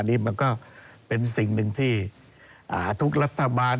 นี่มันก็เป็นสิ่งหนึ่งที่ทุกรัฐบาล